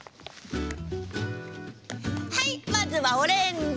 はいまずはオレンジ。